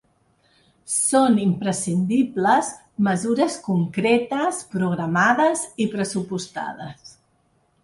Són imprescindibles mesures concretes, programades i pressupostades.